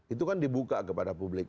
itu kan dibuka kepada publik